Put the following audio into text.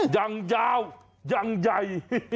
อย่างยาวอย่างใหญ่